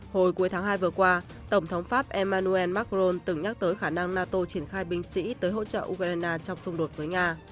hồi cuối tháng hai vừa qua tổng thống pháp emmanuel macron từng nhắc tới khả năng nato triển khai binh sĩ tới hỗ trợ ukraine trong xung đột với nga